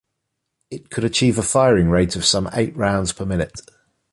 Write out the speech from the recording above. It could achieve a firing rate of some eight rounds per minute.